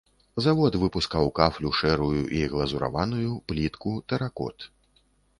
Завод выпускаў кафлю шэрую і глазураваную, плітку, тэракот.